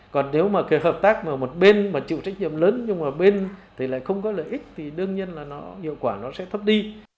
còn nếu mà cái hợp tác vào một bên mà chịu trách nhiệm lớn nhưng mà bên thì lại không có lợi ích thì đương nhiên là nó hiệu quả nó sẽ thấp đi